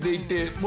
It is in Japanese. もう。